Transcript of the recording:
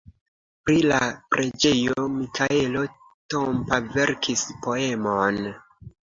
Pri la preĝejo Mikaelo Tompa verkis poemon.